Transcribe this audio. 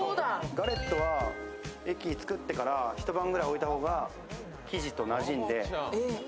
ガレットは作ってから一晩ぐらいおいた方が生地がなじんで。